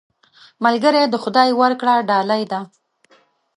ملګری د خدای ورکړه ډالۍ ده